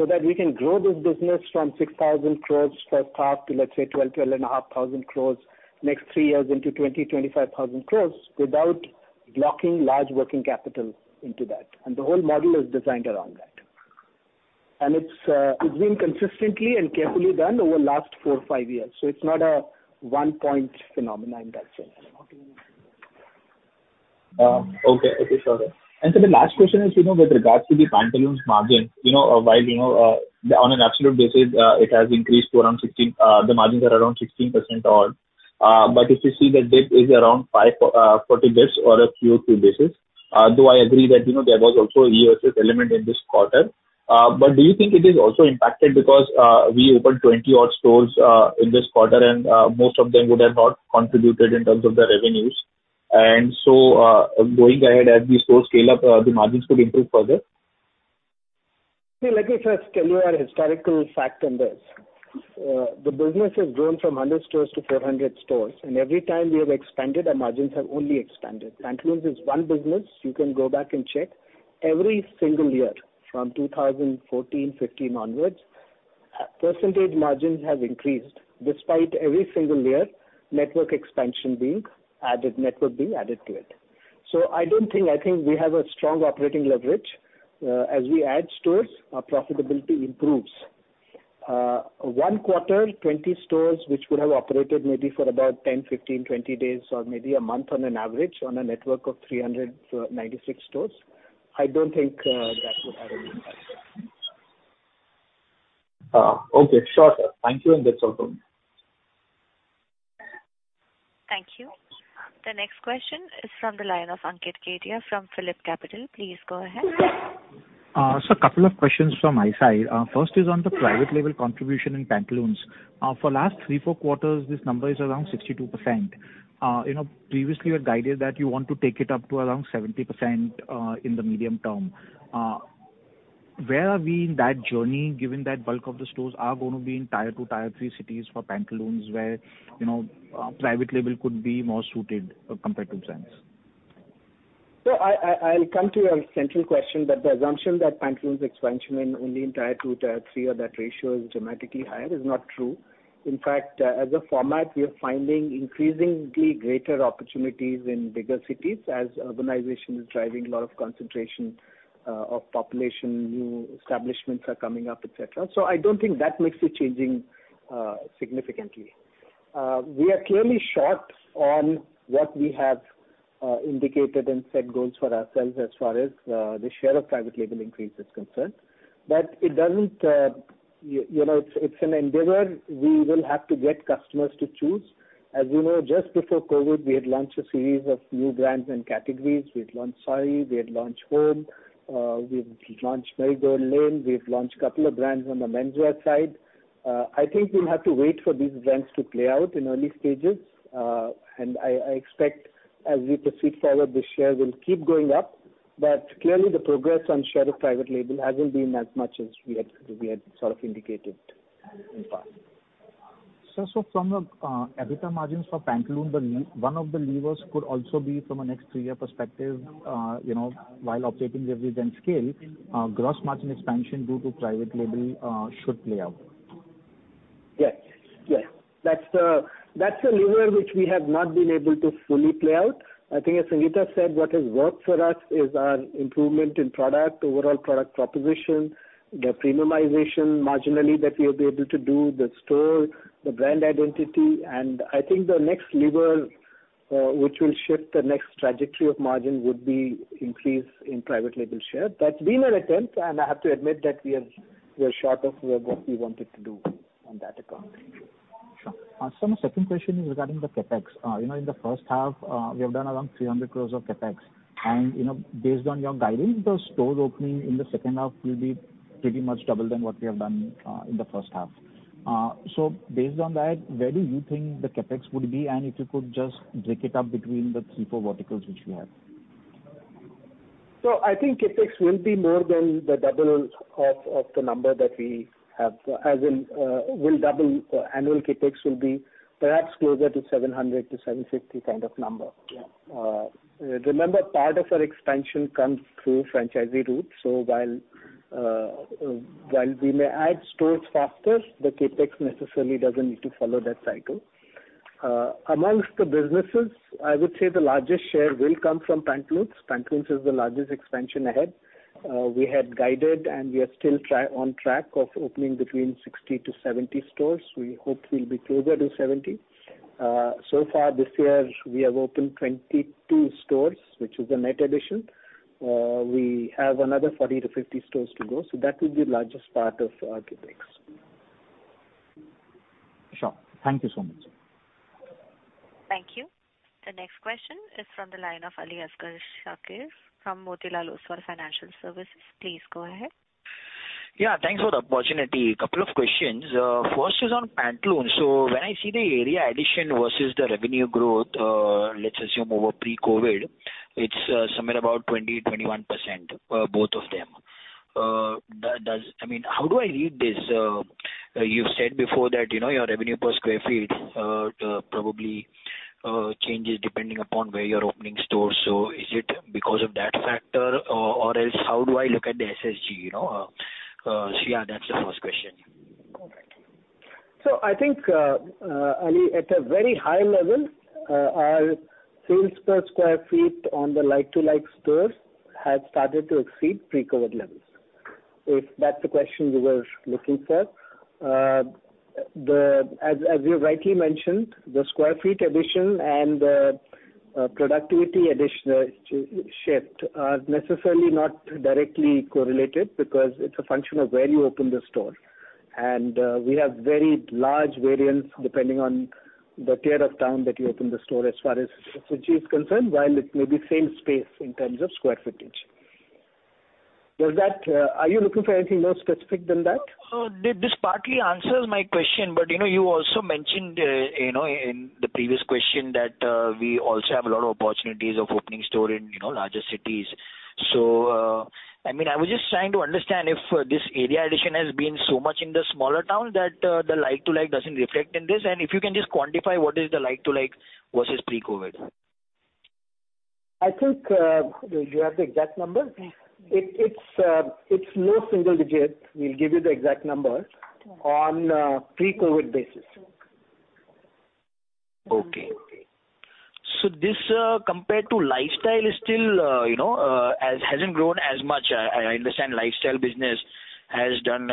so that we can grow this business from 6,000 crore first half to, let's say, 12,000 crore-12,500 crore next three years into 20,000 crore-25,000 crore without blocking large working capital into that. The whole model is designed around that. It's been consistently and carefully done over the last four or five years. It's not a one-off phenomenon that's going on. The last question is, you know, with regards to the Pantaloons margin, you know, while, you know, on an absolute basis, it has increased to around 16, the margins are around 16% odd. But if you see the dip is around 540 basis or a few basis. Though I agree that, you know, there was also a year sales element in this quarter. But do you think it is also impacted because we opened 20-odd stores in this quarter and most of them would have not contributed in terms of the revenues. Going ahead as the stores scale up, the margins could improve further. Let me first tell you a historical fact on this. The business has grown from 100 stores to 400 stores, and every time we have expanded, our margins have only expanded. Pantaloons is one business you can go back and check every single year from 2014, 2015 onwards, percentage margins have increased despite every single year network expansion being added to it. I think we have a strong operating leverage. As we add stores, our profitability improves. One quarter, 20 stores which would have operated maybe for about 10, 15, 20 days or maybe a month on an average on a network of 396 stores, I don't think that would have an impact. Okay. Sure, sir. Thank you, and that's all from me. Thank you. The next question is from the line of Ankit Kedia from Phillip Capital. Please go ahead. A couple of questions from my side. First is on the private label contribution in Pantaloons. For last three, four quarters, this number is around 62%. You know, previously you had guided that you want to take it up to around 70% in the medium term. Where are we in that journey, given that bulk of the stores are gonna be in tier 2, tier 3 cities for Pantaloons where, you know, private label could be more suited competitive sense? I'll come to your central question, but the assumption that Pantaloons expansion in only in tier two, tier three or that ratio is dramatically higher is not true. In fact, as a format, we are finding increasingly greater opportunities in bigger cities as urbanization is driving a lot of concentration of population, new establishments are coming up, et cetera. I don't think that mix is changing significantly. We are clearly short on what we have indicated and set goals for ourselves as far as the share of private label increase is concerned. But it doesn't you know, it's an endeavor we will have to get customers to choose. As you know, just before COVID, we had launched a series of new brands and categories. We had launched Home, we've launched Marigold Lane, we've launched couple of brands on the menswear side. I think we'll have to wait for these brands to play out in early stages. I expect as we proceed forward, the shares will keep going up, but clearly the progress on share of private label hasn't been as much as we had sort of indicated in the past. Sir, from the EBITDA margins for Pantaloons, one of the levers could also be from a next three-year perspective, you know, while obtaining revenues and scale, gross margin expansion due to private label should play out. Yes. Yes. That's the lever which we have not been able to fully play out. I think as Sangeeta said, what has worked for us is our improvement in product, overall product proposition, the premiumization marginally that we have been able to do, the store, the brand identity, and I think the next lever which will shift the next trajectory of margin would be increase in private label share. That's been our attempt, and I have to admit that we are short of what we wanted to do on that account. Sure. Sir, my second question is regarding the CapEx. You know, in the first half, we have done around 300 crore of CapEx, and you know, based on your guidance, the stores opening in the second half will be pretty much double than what we have done in the first half. So based on that, where do you think the CapEx would be, and if you could just break it up between the three, four verticals which you have? I think CapEx will be more than the double of the number that we have. As in, we'll double annual CapEx will be perhaps closer to 700-750 kind of number. Yeah. Remember, part of our expansion comes through franchisee route, so while we may add stores faster, the CapEx necessarily doesn't need to follow that cycle. Among the businesses, I would say the largest share will come from Pantaloons. Pantaloons is the largest expansion ahead. We had guided and we are still on track of opening between 60-70 stores. We hope we'll be closer to 70. So far this year, we have opened 22 stores, which is a net addition. We have another 40-50 stores to go, so that will be largest part of CapEx. Sure. Thank you so much. Thank you. The next question is from the line of Aliasgar Shakir from Motilal Oswal Financial Services. Please go ahead. Yeah, thanks for the opportunity. Couple of questions. First is on Pantaloons. When I see the area addition versus the revenue growth, let's assume over pre-COVID, it's somewhere about 20-21%, both of them. I mean, how do I read this? You've said before that, you know, your revenue per square feet probably changes depending upon where you're opening stores. Is it because of that factor or else how do I look at the SSG, you know? Yeah, that's the first question. Got it. I think, Ali, at a very high level, our sales per square feet on the like-for-like stores have started to exceed pre-COVID levels, if that's the question you were looking for. As you rightly mentioned, the square feet addition and the productivity addition, shift are necessarily not directly correlated because it's a function of where you open the store. We have very large variance depending on the tier of town that you open the store as far as SSG is concerned, while it may be same space in terms of square footage. Was that? Are you looking for anything more specific than that? No. This partly answers my question, but, you know, you also mentioned, you know, in the previous question that we also have a lot of opportunities of opening store in, you know, larger cities. I mean, I was just trying to understand if this store addition has been so much in the smaller towns that the like-for-like doesn't reflect in this. And if you can just quantify what is the like-for-like versus pre-COVID. I think, do you have the exact number? Yeah. It's low single digit. We'll give you the exact number on pre-COVID basis. Okay. This compared to lifestyle is still, you know, hasn't grown as much. I understand lifestyle business has done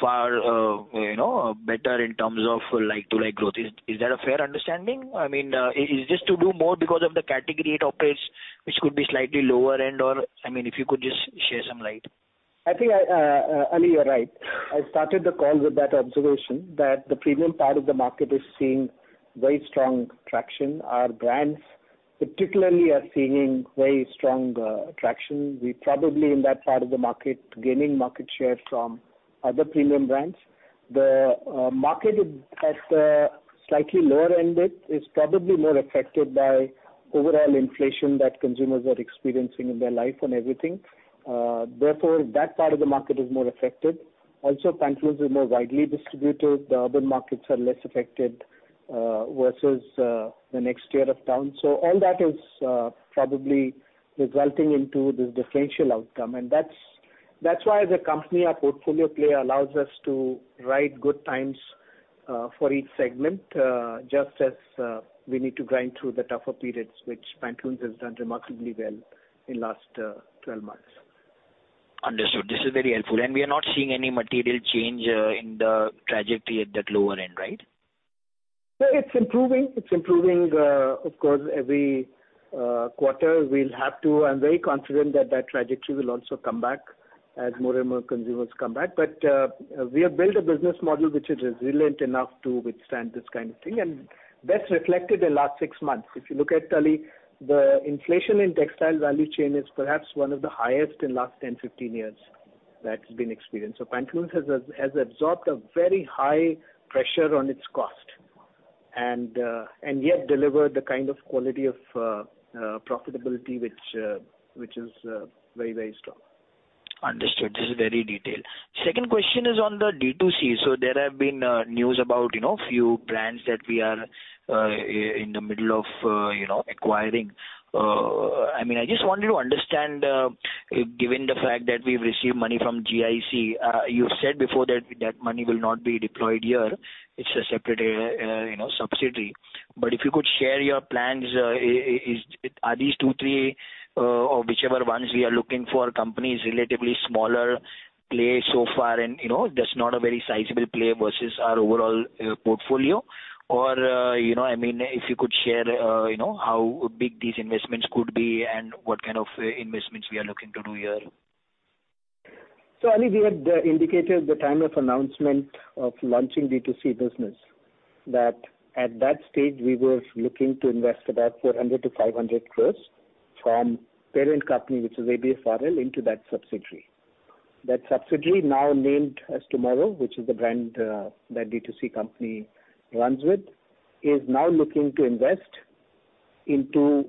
far, you know, better in terms of like-for-like growth. Is that a fair understanding? I mean, is this to do more because of the category it operates, which could be slightly lower end? I mean, if you could just shed some light. I think, Ali, you're right. I started the call with that observation, that the premium part of the market is seeing very strong traction. Our brands particularly are seeing very strong traction. We probably in that part of the market gaining market share from other premium brands. The market at the slightly lower end is probably more affected by overall inflation that consumers are experiencing in their life on everything. Therefore, that part of the market is more affected. Also, Pantaloons is more widely distributed. The urban markets are less affected versus the next tier of towns. All that is probably resulting into this differential outcome. That's why as a company, our portfolio play allows us to ride good times for each segment, just as we need to grind through the tougher periods, which Pantaloons has done remarkably well in last 12 months. Understood. This is very helpful. We are not seeing any material change in the trajectory at that lower end, right? No, it's improving. It's improving. Of course, every quarter we'll have to. I'm very confident that trajectory will also come back as more and more consumers come back. We have built a business model which is resilient enough to withstand this kind of thing, and that's reflected in last six months. If you look at totally, the inflation in textile value chain is perhaps one of the highest in last 10, 15 years that's been experienced. Pantaloons has absorbed a very high pressure on its cost and yet delivered the kind of quality of profitability which is very strong. Understood. This is very detailed. Second question is on the D2C. There have been news about, you know, few brands that we are in the middle of, you know, acquiring. I mean, I just wanted to understand, given the fact that we've received money from GIC, you've said before that that money will not be deployed here. It's a separate, you know, subsidiary. If you could share your plans, are these two, three, or whichever ones we are looking for companies relatively smaller play so far and, you know, that's not a very sizable play versus our overall portfolio. I mean, if you could share, you know, how big these investments could be and what kind of investments we are looking to do here. Ali, we had indicated the time of announcement of launching D2C business, that at that stage we were looking to invest about 400 crore-500 crore from parent company, which is ABFRL, into that subsidiary. That subsidiary now named as TMRW, which is the brand, that D2C company runs with, is now looking to invest into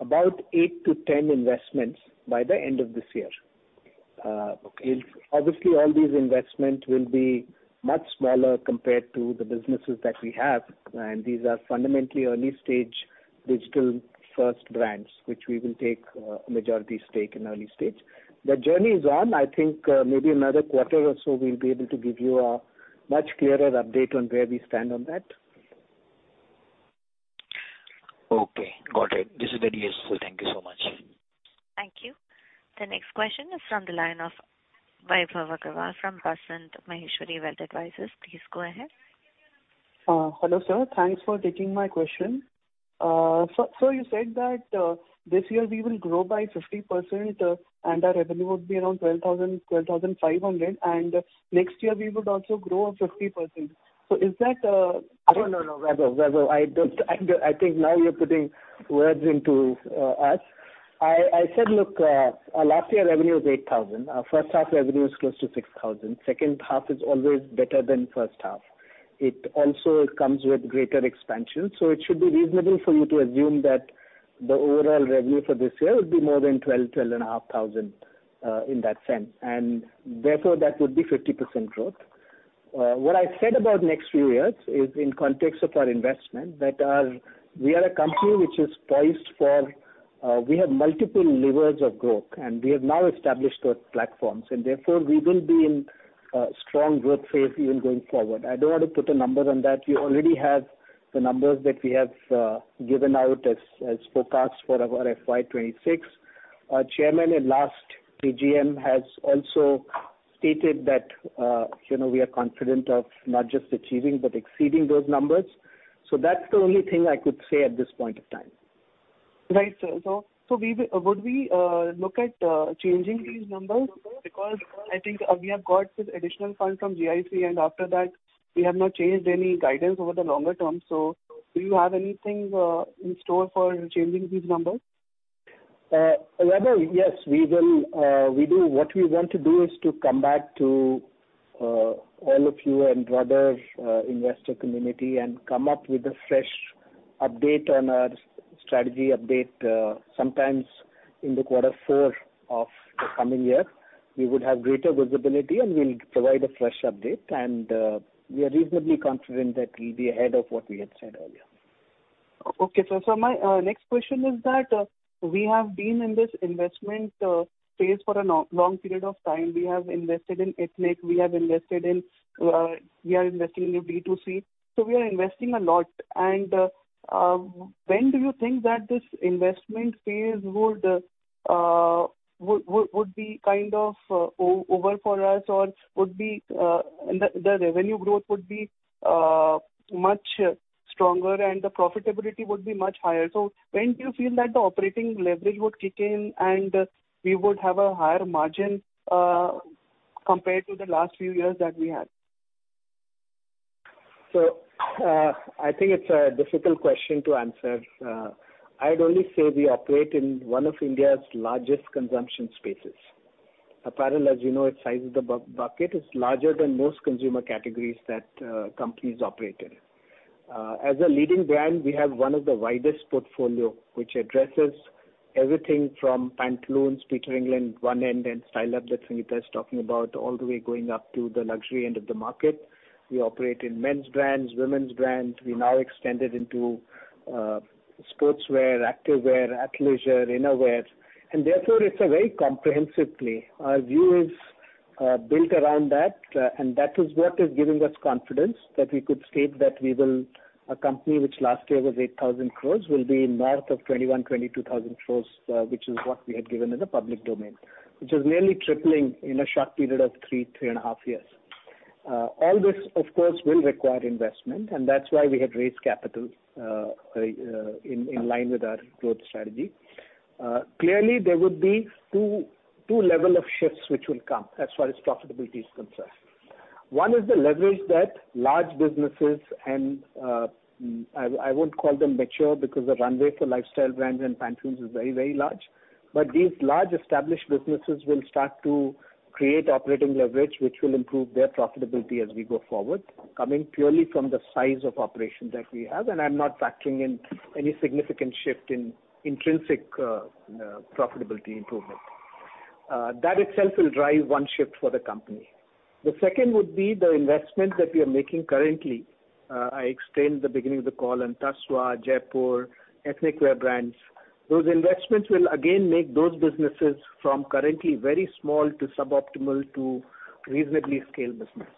about eight to 10 investments by the end of this year. Okay. Obviously, all these investments will be much smaller compared to the businesses that we have, and these are fundamentally early-stage digital-first brands, which we will take a majority stake in early stage. The journey is on. I think, maybe another quarter or so we'll be able to give you a much clearer update on where we stand on that. Okay, got it. This is very useful. Thank you so much. Thank you. The next question is from the line of Vaibhav Agarwal from Basant Maheshwari Wealth Advisors. Please go ahead. Hello, sir. Thanks for taking my question. You said that this year we will grow by 50%, and our revenue would be around 12,000-12,500, and next year we would also grow by 50%. Is that No, no. Vaibhav, I think now you're putting words into us. I said, look, our last year revenue was 8,000. Our first half revenue is close to 6,000. Second half is always better than first half. It also comes with greater expansion. It should be reasonable for you to assume that the overall revenue for this year would be more than 12,000-12,500, in that sense, and therefore that would be 50% growth. What I said about next few years is in context of our investment that we are a company which is poised for, we have multiple levers of growth, and we have now established those platforms and therefore we will be in strong growth phase even going forward. I don't want to put a number on that. You already have the numbers that we have given out as forecast for our FY 2026. Our Chairman in last AGM has also stated that, you know, we are confident of not just achieving but exceeding those numbers. That's the only thing I could say at this point of time. Right, sir. Would we look at changing these numbers? Because I think, we have got some additional funds from GIC, and after that we have not changed any guidance over the longer term. Do you have anything in store for changing these numbers? Vaibhav, yes, we will, we do. What we want to do is to come back to all of you and broader investor community and come up with a fresh update on our strategy update, some time in the quarter four of the coming year. We would have greater visibility and we'll provide a fresh update, and we are reasonably confident that we'll be ahead of what we had said earlier. Okay, sir. My next question is that we have been in this investment phase for a long period of time. We have invested in Ethnic, we are investing in B2C. We are investing a lot. When do you think that this investment phase would be kind of over for us or the revenue growth would be much stronger and the profitability would be much higher? When do you feel that the operating leverage would kick in and we would have a higher margin compared to the last few years that we had? I think it's a difficult question to answer. I'd only say we operate in one of India's largest consumption spaces. Apparel, as you know, its size of the bucket is larger than most consumer categories that companies operate in. As a leading brand, we have one of the widest portfolio which addresses everything from Pantaloons, Peter England one end, and Style Up that Sangeeta is talking about, all the way going up to the luxury end of the market. We operate in men's brands, women's brands. We now extended into sportswear, activewear, Athleisure, Innerwear, and therefore it's a very comprehensive play. Our view is built around that, and that is what is giving us confidence that we could state that we will. A company which last year was 8,000 crore will be north of 21,000 crore-22,000 crore, which is what we had given in the public domain. Which is nearly tripling in a short period of three and a half years. All this of course will require investment, and that's why we have raised capital, in line with our growth strategy. Clearly there would be two levels of shifts which will come as far as profitability is concerned. One is the leverage that large businesses and I won't call them mature because the runway for Lifestyle Brands and Pantaloons is very, very large. These large established businesses will start to create operating leverage, which will improve their profitability as we go forward, coming purely from the size of operations that we have. I'm not factoring in any significant shift in intrinsic profitability improvement. That itself will drive one shift for the company. The second would be the investment that we are making currently. I explained the beginning of the call on Tasva, Jaypore, Ethnic Wear brands. Those investments will again make those businesses from currently very small to suboptimal to reasonably scaled business.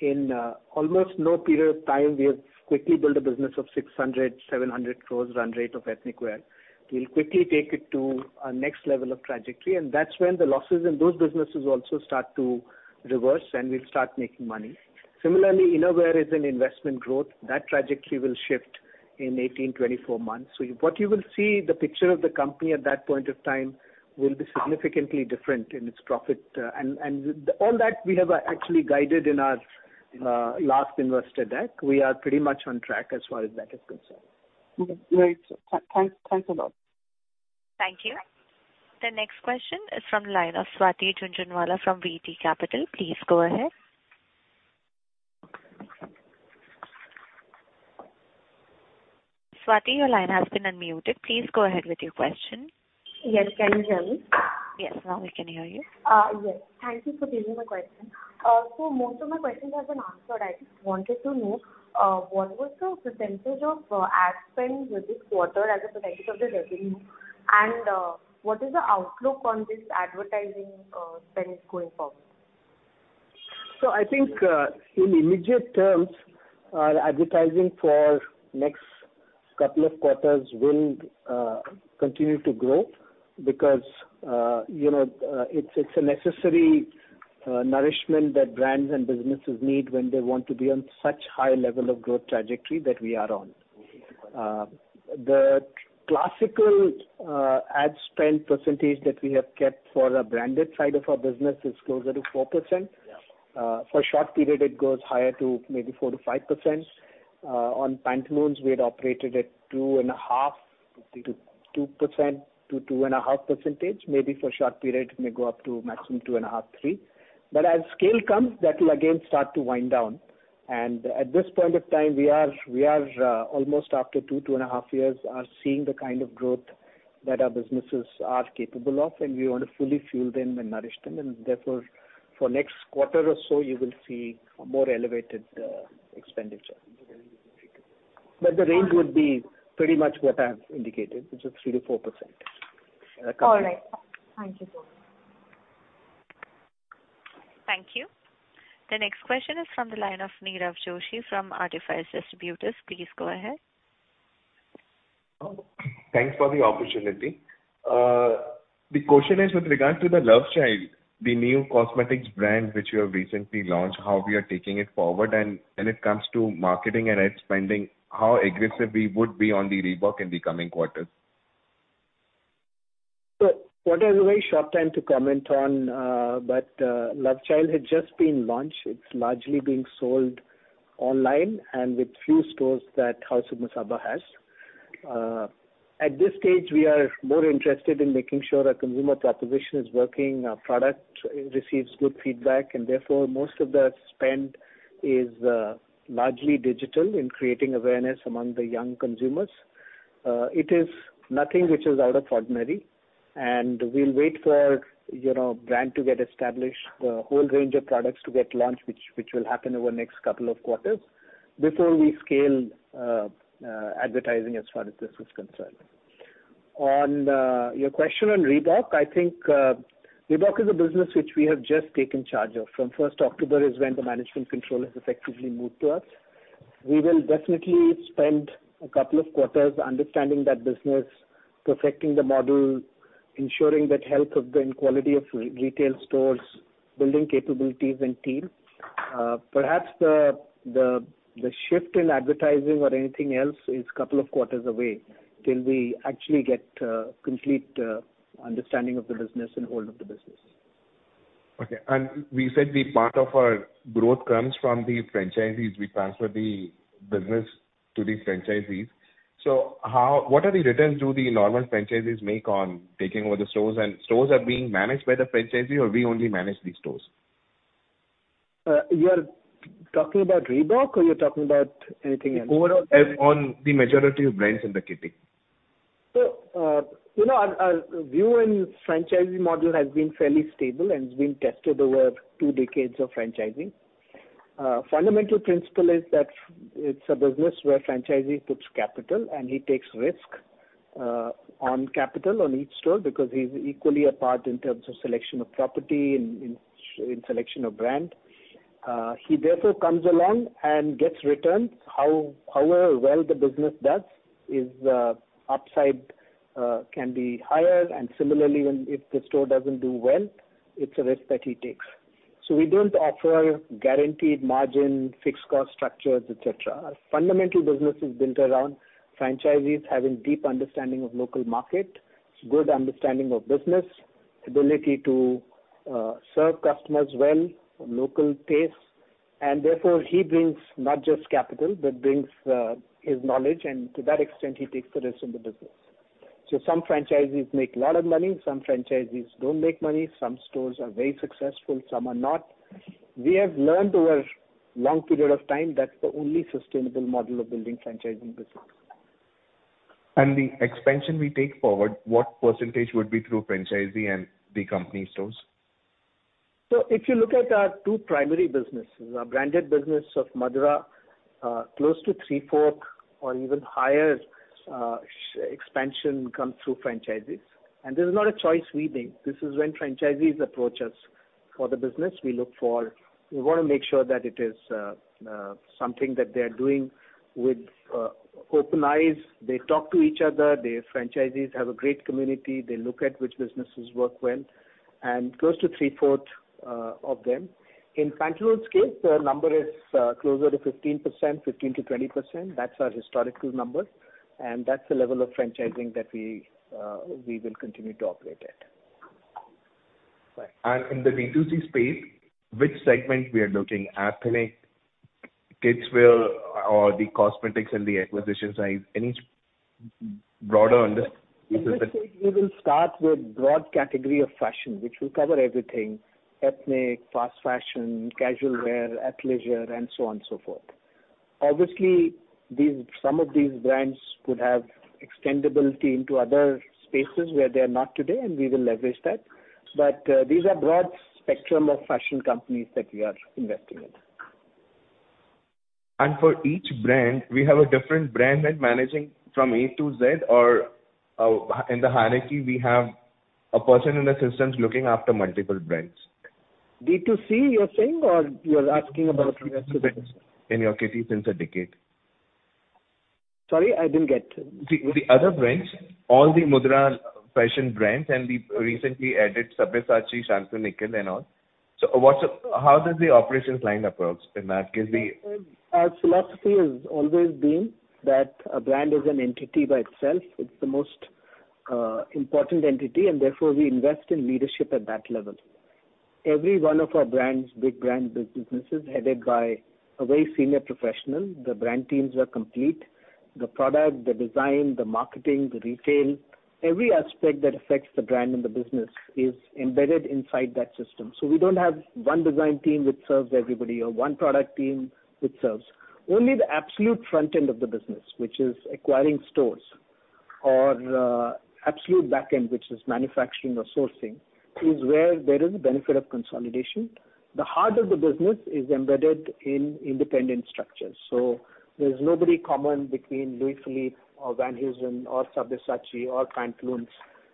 In almost no period of time, we have quickly built a business of 600 crores-700 crores run rate of Ethnic Wear. We'll quickly take it to our next level of trajectory, and that's when the losses in those businesses also start to reverse and we'll start making money. Similarly, Innerwear is an investment growth. That trajectory will shift in 18-24 months. What you will see, the picture of the company at that point of time will be significantly different in its profit. All that we have actually guided in our last investor deck. We are pretty much on track as far as that is concerned. Okay. Great, sir. Thanks, thanks a lot. Thank you. The next question is from the line of Swati Jhunjhunwala from VT Capital. Please go ahead. Swati, your line has been unmuted. Please go ahead with your question. Yes. Can you hear me? Yes. Now we can hear you. Yes. Thank you for taking the question. Most of my questions have been answered. I just wanted to know what was the percentage of ad spend in this quarter as a percentage of the revenue. What is the outlook on this advertising spend going forward? I think, in immediate terms, our advertising for next couple of quarters will continue to grow because, you know, it's a necessary nourishment that brands and businesses need when they want to be on such high level of growth trajectory that we are on. The classical ad spend percentage that we have kept for the branded side of our business is closer to 4%. For short period it goes higher to maybe 4%-5%. On Pantaloons, we had operated at 2.5, 2% to 2.5%. Maybe for short period it may go up to maximum 2.5-3. But as scale comes, that'll again start to wind down. At this point of time, we are almost after two and half years are seeing the kind of growth that our businesses are capable of, and we want to fully fuel them and nourish them. Therefore, for next quarter or so, you will see a more elevated expenditure. The range would be pretty much what I've indicated, which is 3%-4%. All right. Thank you so much. Thank you. The next question is from the line of Nirav Joshi from Artifice Distributors. Please go ahead. Thanks for the opportunity. The question is with regards to the Lovechild, the new cosmetics brand which you have recently launched, how we are taking it forward, and when it comes to marketing and ad spending, how aggressive we would be on the rollout in the coming quarters. Quarter is a very short time to comment on, but Lovechild has just been launched. It's largely being sold online and with few stores that House of Masaba has. At this stage, we are more interested in making sure our consumer proposition is working, our product receives good feedback, and therefore most of the spend is largely digital in creating awareness among the young consumers. It is nothing which is out of the ordinary, and we'll wait for, you know, brand to get established, the whole range of products to get launched, which will happen over the next couple of quarters before we scale advertising as far as this is concerned. On your question on Reebok, I think Reebok is a business which we have just taken charge of. From first October is when the management control has effectively moved to us. We will definitely spend a couple of quarters understanding that business, perfecting the model, ensuring the health and quality of retail stores, building capabilities and team. Perhaps the shift in advertising or anything else is a couple of quarters away till we actually get complete understanding of the business and hold of the business. Okay. We said the part of our growth comes from the franchisees. We transfer the business to the franchisees. What are the returns do the normal franchisees make on taking over the stores? Stores are being managed by the franchisee, or we only manage these stores? You are talking about Reebok or you're talking about anything else? Overall on the majority of brands in the kitty. You know, our view in franchisee model has been fairly stable and it's been tested over two decades of franchising. Fundamental principle is that it's a business where franchisee puts capital and he takes risk on capital on each store because he's equally a part in terms of selection of property and in selection of brand. He therefore comes along and gets returns. However well the business does, the upside can be higher. Similarly, if the store doesn't do well, it's a risk that he takes. We don't offer guaranteed margin, fixed cost structures, et cetera. Our fundamental business is built around franchisees having deep understanding of local market, good understanding of business, ability to serve customers well, local taste, and therefore he brings not just capital, but brings his knowledge, and to that extent, he takes the risk of the business. Some franchisees make a lot of money, some franchisees don't make money. Some stores are very successful, some are not. We have learned over long period of time that's the only sustainable model of building franchising business. The expansion we take forward, what percentage would be through franchisee and the company stores? If you look at our two primary businesses, our branded business of Madura, close to three-fourths or even higher, expansion comes through franchisees. This is not a choice we make. This is when franchisees approach us for the business. We wanna make sure that it is something that they are doing with open eyes. They talk to each other. The franchisees have a great community. They look at which businesses work well and close to three-fourths of them. In Pantaloons case, the number is closer to 15%, 15%-20%. That's our historical number, and that's the level of franchising that we will continue to operate at. In the D2C space, which segment we are looking? Ethnic, kids wear or the cosmetics and the acquisition side? Any broader under- Let's say we will start with broad category of fashion, which will cover everything Ethnic, fast fashion, casual wear, Athleisure and so on and so forth. Obviously, some of these brands could have extendability into other spaces where they're not today, and we will leverage that. These are broad spectrum of fashion companies that we are investing in. For each brand we have a different brand head managing from A to Z, or in the hierarchy, we have a person in the systems looking after multiple brands. D2C you're saying, or you're asking about? In your kitty since a decade. Sorry, I didn't get. The other brands, all the Madura Fashion brands and the recently added Sabyasachi, Shantanu & Nikhil and all. What's the operational approach in that case? Our philosophy has always been that a brand is an entity by itself. It's the most important entity, and therefore we invest in leadership at that level. Every one of our brands, big brand businesses, headed by a very senior professional. The brand teams are complete. The product, the design, the marketing, the retail, every aspect that affects the brand and the business is embedded inside that system. We don't have one design team which serves everybody, or one product team which serves. Only the absolute front end of the business, which is acquiring stores or absolute back end, which is manufacturing or sourcing, is where there is a benefit of consolidation. The heart of the business is embedded in independent structures. There's nobody common between Louis Philippe or Van Heusen or Sabyasachi or Pantaloons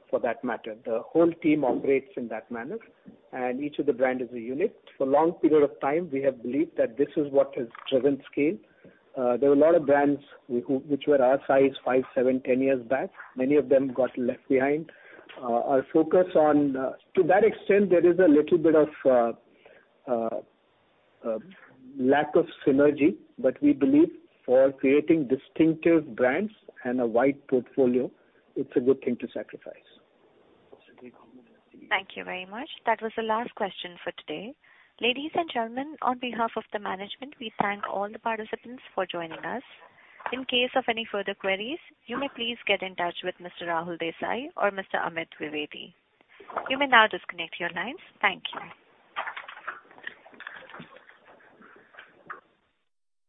for that matter. The whole team operates in that manner, and each of the brand is a unit. For long period of time, we have believed that this is what has driven scale. There were a lot of brands which were our size five, seven, 10 years back. Many of them got left behind. Our focus on. To that extent, there is a little bit of lack of synergy. We believe for creating distinctive brands and a wide portfolio, it's a good thing to sacrifice. Thank you very much. That was the last question for today. Ladies and gentlemen, on behalf of the management, we thank all the participants for joining us. In case of any further queries, you may please get in touch with Mr. Rahul Desai or Mr. Amit Dwivedi. You may now disconnect your lines. Thank you.